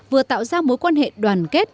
vừa tạo ra mối quan hệ đoàn kết